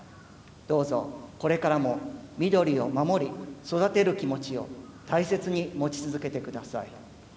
どうぞこれからも緑を守り育てる気持ちを大切に持ち続けてください。